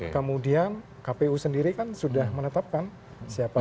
kemudian kpu sendiri kan sudah menetapkan siapa